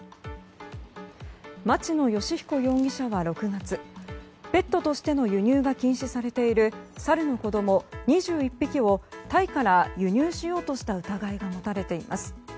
町野義彦容疑者は６月ペットとしての輸入が禁止されているサルの子供２１匹をタイから輸入しようとした疑いが持たれています。